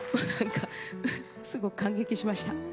すごく感激しました。